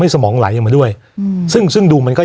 วันนี้แม่ช่วยเงินมากกว่า